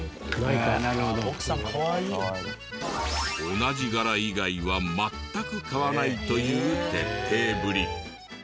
同じ柄以外は全く買わないという徹底ぶり。